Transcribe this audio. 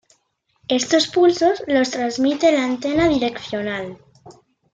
Estos pulsos los transmite la antena direccional.